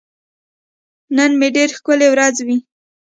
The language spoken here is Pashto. نن به ډېره ښکلی ورځ وي